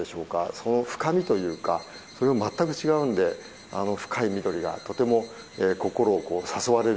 その深みというかそれが全く違うのであの深い緑がとても心を誘われるような気がします。